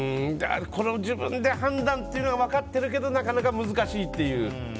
自分で判断というのは分かってるけどなかなか難しいという。